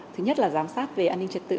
thứ nhất là giám sát về an ninh trật tự